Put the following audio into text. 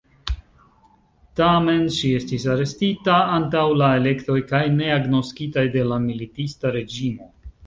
Tamen ŝi estis arestita antaŭ la elektoj kaj ne agnoskitaj de la militista reĝimo.